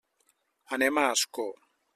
Anem a Ascó.